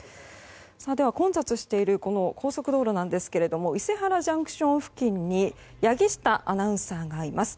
混雑している高速道路なんですけれども伊勢原ＪＣＴ付近に柳下アナウンサーがいます。